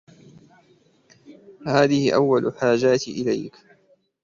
هذه أول حاجاتي إليك